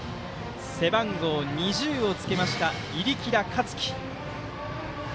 背番号２０をつけました入耒田華月。